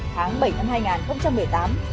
tháng bảy năm hai nghìn một mươi tám